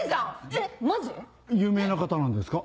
えっマジ⁉有名な方なんですか？